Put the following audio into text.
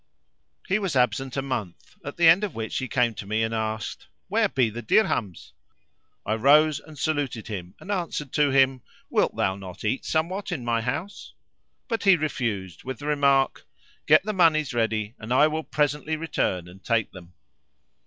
He was absent a month, at the end of which he came to me and asked, "Where be the dirhams?" I rose and saluted him and answered to him, "Wilt thou not eat somewhat in my house?" But he refused with the remark, "Get the monies ready and I will presently return and take them."